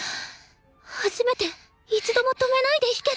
初めて一度も止めないで弾けた！